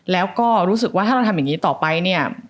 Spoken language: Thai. แล้วก็รู้สึกว่าถ้าเราทำอย่างนี้ต่อไปเนี่ย